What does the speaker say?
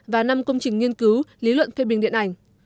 và năm công trình nghiên cứu lý luận phê bình điện ảnh